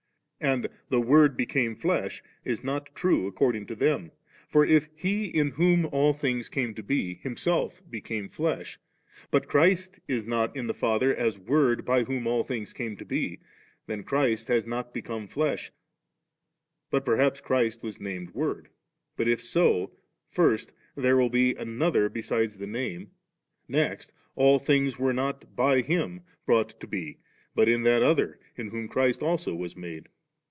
And * the Word became flesh 3 ' is not true ac cording to them. For if He in whom 'all things came to be,' Himself became flesh, but Chnst is not in the Father, as Word 'by whom all things came to be,' then Christ has not become flesh, but perhaps Christ was named Word. But if so, first, there will be an other besides the name^ next, idl things were not by Him brought to be, but in that other, in whom Christ also was made.